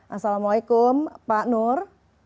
assalamualaikum pak nur